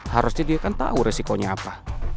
harusnya dia kan tahu resikonya apa